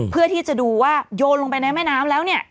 เพื่อที่จะดูว่าโยนลงไปในแม่น้ำแล้วเนี่ย